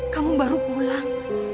kamu baru pulang